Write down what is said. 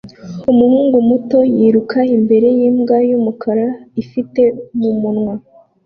Umuhungu muto yiruka imbere yimbwa yumukara ifite mumunwa